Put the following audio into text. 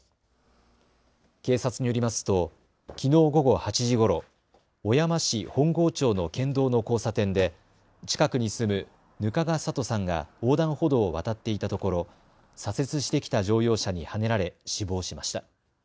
警察によりますときのう午後８時ごろ小山市本郷町の県道の交差点で近くに住む額賀サトさんが横断歩道を渡っていたところ左折してきた乗用車にはねられ死亡しました。